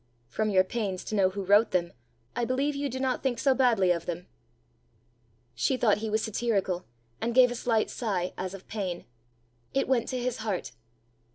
From your pains to know who wrote them, I believe you do not think so badly of them!" She thought he was satirical, and gave a slight sigh as of pain. It went to his heart.